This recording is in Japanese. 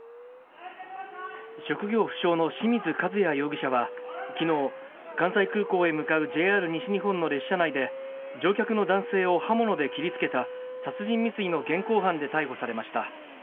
職業不詳の清水和也容疑者はきのう、関西空港へ向かうＪＲ西日本の列車内で、乗客の男性を刃物で切りつけた殺人未遂の現行犯で逮捕されました。